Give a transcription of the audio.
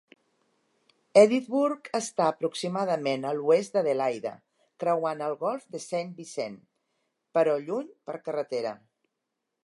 Edithburgh està aproximadament a l'oest d'Adelaida creuant el Golf de St Vincent, però lluny per carretera.